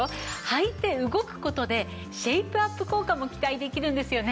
はいて動く事でシェイプアップ効果も期待できるんですよね。